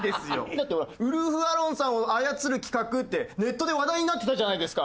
だってほらウルフ・アロンさんを操る企画ってネットで話題になってたじゃないですか。